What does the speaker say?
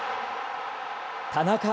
田中。